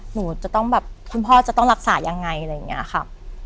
หนูจะต้องแบบคุณพ่อจะต้องรักษายังไงอะไรอย่างนี้ค่ะ